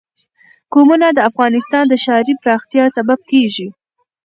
قومونه د افغانستان د ښاري پراختیا سبب کېږي.